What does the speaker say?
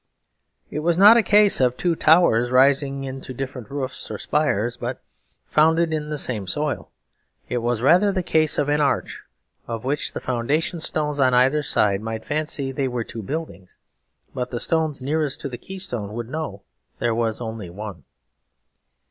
It was not a case of two towers rising into different roofs or spires, but founded in the same soil. It was rather the case of an arch, of which the foundation stones on either side might fancy they were two buildings; but the stones nearest the keystone would know there was only one.